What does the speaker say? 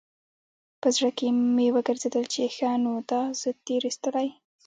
په زړه کښې مې وګرځېدل چې ښه نو دا زه تېر ايستلى.